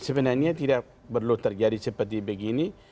sebenarnya tidak perlu terjadi seperti begini